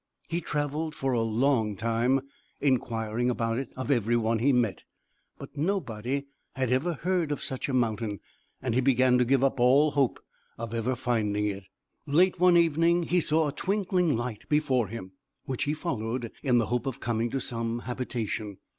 He travelled for a long time, inquiring about it of every one he met; but nobody had ever heard of such a mountain; and he began to give up all hope of ever finding it. Late one evening he saw a twinkling light before him, which he followed, in the hope of coming to some habitation.